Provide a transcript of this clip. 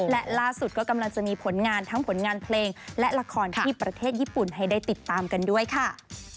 และล่าสุดก็กำลังจะมีผลงานทั้งผลงานเพลงและละครที่ประเทศญี่ปุ่นให้ได้ติดตามกันด้วยค่ะ